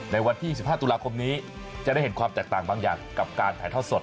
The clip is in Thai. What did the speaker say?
ในวันที่๒๕ตุลาคมนี้จะได้เห็นความแตกต่างบางอย่างกับการถ่ายทอดสด